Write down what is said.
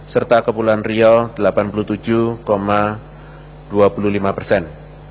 serta kepulauan riau delapan puluh tujuh dua puluh lima persen